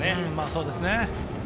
そうですね。